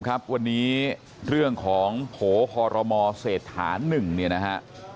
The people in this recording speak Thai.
ครับวันนี้เรื่องของโผล่คอรมอเศรษฐาน๑เนี่ยนะฮะ